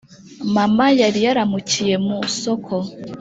mama yariyaramukiye musoko